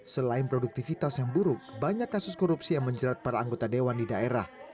selain produktivitas yang buruk banyak kasus korupsi yang menjerat para anggota dewan di daerah